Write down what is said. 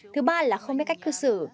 thứ ba là không biết cách cư xử